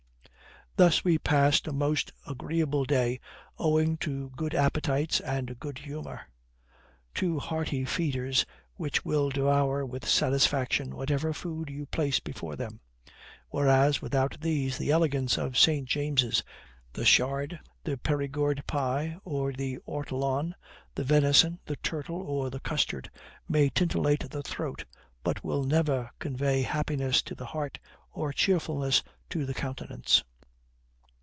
Thus we passed a most agreeable day owing to good appetites and good humor; two hearty feeders which will devour with satisfaction whatever food you place before them; whereas, without these, the elegance of St. James's, the charde, the perigord pie, or the ortolan, the venison, the turtle, or the custard, may titillate the throat, but will never convey happiness to the heart or cheerfulness to the countenance.